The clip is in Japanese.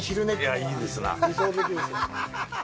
いや、いいですな。